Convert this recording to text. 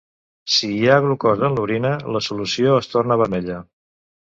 Si hi ha glucosa en l'orina, la solució es torna vermella.